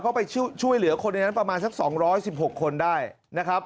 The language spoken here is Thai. ไปช่วยเหลือคนในนั้นประมาณสัก๒๑๖คนได้นะครับ